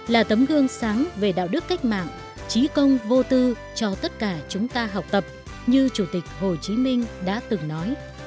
là tấm gương sáng về đạo đức cách mạng trí công vô tư cho tất cả chúng ta học tập như chủ tịch hồ chí minh đã từng nói